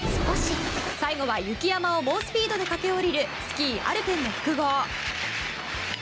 最後は雪山を猛スピードで駆け下りるスキー・アルペンの複合。